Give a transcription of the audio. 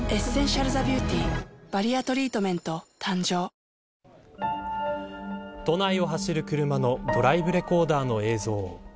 新「アタックＺＥＲＯ」都内を走る車のドライブレコーダーの映像。